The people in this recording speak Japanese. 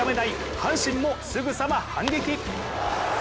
阪神もすぐさま反撃。